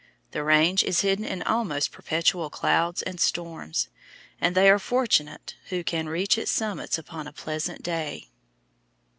The range is hidden in almost perpetual clouds and storms, and they are fortunate who can reach its summit upon a pleasant day.